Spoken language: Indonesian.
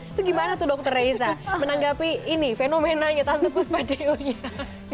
itu gimana tuh dokter reiza menanggapi ini fenomenanya tante kusmatiunya